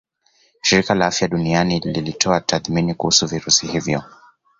Shirika la Afya Duniani lilitoa tathmini kuhusu virusi hivyo